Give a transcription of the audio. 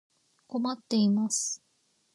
困っています。